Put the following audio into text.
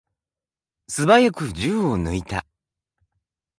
すばやく銃を抜いた。